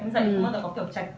em dạy không bao giờ có kiểu chạch